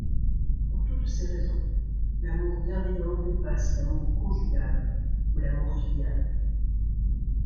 Pour toutes ces raisons, l'amour bienveillant dépasse l'amour conjugal ou l'amour filial.